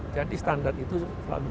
jadi standar itu selalu di cek